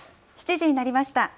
７時になりました。